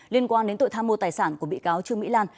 liên quan đến tội tham mô tài sản của bị cáo trương mỹ lan